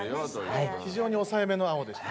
非常に抑えめの「アォッ！」でした。